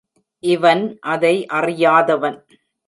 இவன் அதை அறியாதவன்.